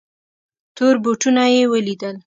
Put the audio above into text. تور بوټونه یې ولیدل.